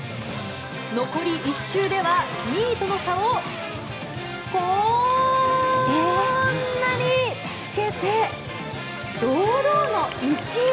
残り１周では２位との差をこんなにつけて堂々の１位。